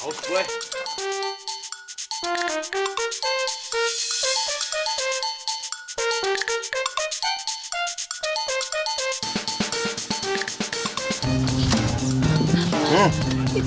beli dua yang rasa mana nih